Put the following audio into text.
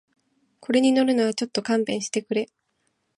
これに乗るのはちょっと勘弁してくれ